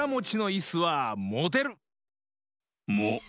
モ？